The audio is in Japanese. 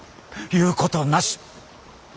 言うことなし！